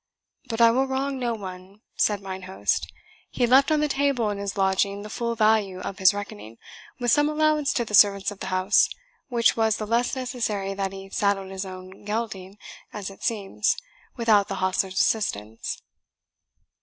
"But I will wrong no one," said mine host; "he left on the table in his lodging the full value of his reckoning, with some allowance to the servants of the house, which was the less necessary that he saddled his own gelding, as it seems, without the hostler's assistance."